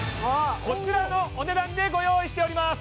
こちらのお値段でご用意しております！